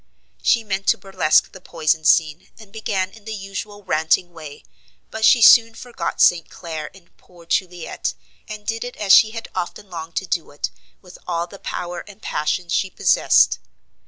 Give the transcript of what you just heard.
She meant to burlesque the poison scene, and began in the usual ranting way; but she soon forgot St. Clair in poor Juliet, and did it as she had often longed to do it, with all the power and passion she possessed.